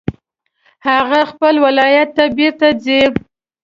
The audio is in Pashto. هغه خپل ولایت ته بیرته ځي